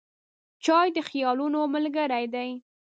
چای د خیالونو ملګری دی.